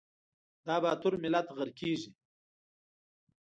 دا باتور ملت غرقیږي